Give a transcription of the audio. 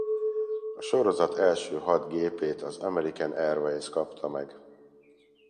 A sorozat első hat gépét az American Airways kapta meg.